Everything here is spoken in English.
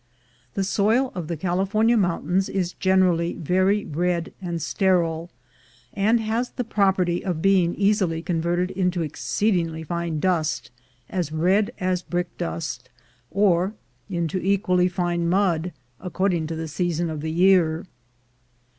The soil of the California mountains is generally very red and sterile, and has the property of being easily con verted into exceedingly fine dust, as red as brick dust, or into equally fine mud, according to the season of the year.